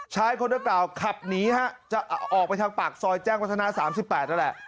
ชายคนดังกล่าวขับหนีฮะจะออกไปทางปากซอยแจ้งวัฒนา๓๘นั่นแหละ